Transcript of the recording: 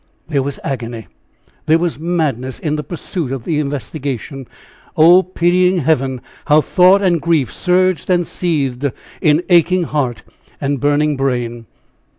There was agony there was madness in the pursuit of the investigation. Oh, pitying Heaven! how thought and grief surged and seethed in aching heart and burning brain!